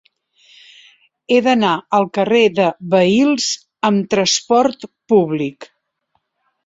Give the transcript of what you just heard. He d'anar al carrer de Vehils amb trasport públic.